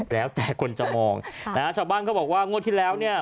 แล้วแต่คนจะมองชาวบ้านก็บอกว่างวดที่แล้วนี่